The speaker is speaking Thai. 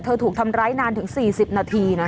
ถูกทำร้ายนานถึง๔๐นาทีนะ